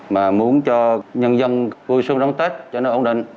mà muốn cho nhân dân vui xuân đón tết cho nó ổn định